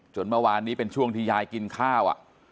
เมื่อวานนี้เป็นช่วงที่ยายกินข้าว